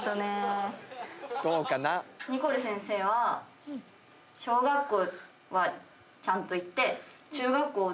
ニコル先生は小学校はちゃんと行って。